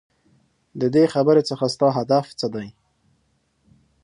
ددې خبرې څخه ستا هدف څه دی ؟؟